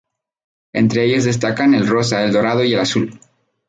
Entre ellos destacan el rosa, el dorado y el azul.